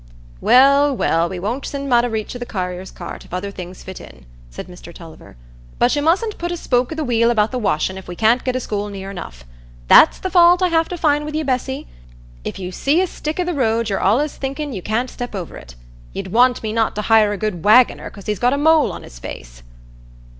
"Well, well, we won't send him out o' reach o' the carrier's cart, if other things fit in," said Mr Tulliver. "But you mustn't put a spoke i' the wheel about the washin,' if we can't get a school near enough. That's the fault I have to find wi' you, Bessy; if you see a stick i' the road, you're allays thinkin' you can't step over it. You'd want me not to hire a good wagoner, 'cause he'd got a mole on his face."